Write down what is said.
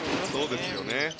そうですよね。